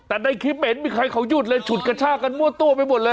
แต่ในคลิปไม่เห็นมีใครเขาหยุดเลยฉุดกระชากันมั่วตัวไปหมดเลย